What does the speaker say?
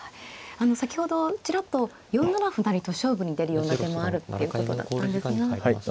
先ほどちらっと４七歩成と勝負に出るような手もあるっていうことだったんですが。